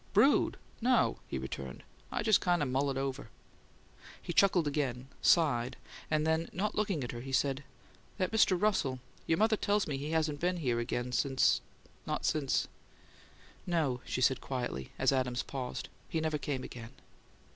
"'Brood?' No!" he returned. "I just kind o' mull it over." He chuckled again, sighed, and then, not looking at her, he said, "That Mr. Russell your mother tells me he hasn't been here again not since " "No," she said, quietly, as Adams paused. "He never came again."